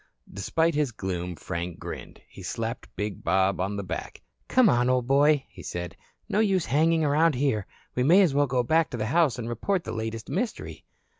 Despite his gloom, Frank grinned. He slapped big Bob on the back. "Come on, old boy," he said. "No use hanging around here. We may as well go back to the house and report the latest mystery."